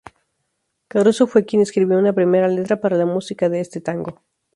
Caruso fue quien escribió una primera letra para la música de este tango.